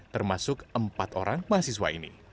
termasuk empat orang mahasiswa ini